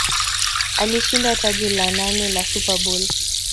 Alishinda taji la nane la SuperBowl